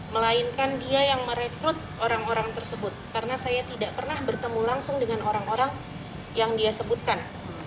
melainkan dia yang merekrut orang orang tersebut karena saya tidak pernah bertemu langsung dengan orang orang yang dia sebutkan